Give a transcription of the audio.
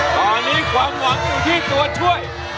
ตอนนี้ความหวังอยู่ที่ตัวช่วย